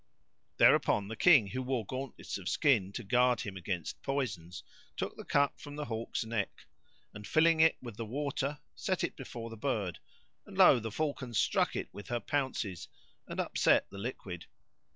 Thereupon the King who wore gauntlets of skin to guard him against poisons took the cup from the hawk's neck, and filling it with the water set it before the bird, and lo! the falcon struck it with her pounces and upset the liquid.